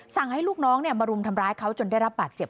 สั่งให้ลูกน้องมารุมทำร้ายเขาจนได้รับบาดเจ็บ